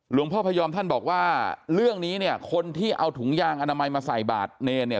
พยอมท่านบอกว่าเรื่องนี้เนี่ยคนที่เอาถุงยางอนามัยมาใส่บาทเนรเนี่ย